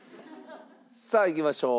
さあいきましょう。